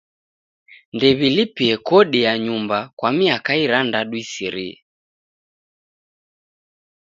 Ndew'ilipie kodi ya nyumba kwa miaka irandadu isirie.